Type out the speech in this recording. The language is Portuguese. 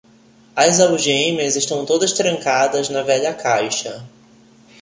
As algemas estão todas trancadas na velha caixa.